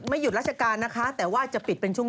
หยุดราชการนะคะแต่ว่าจะปิดเป็นช่วง